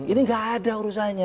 ini gak ada urusannya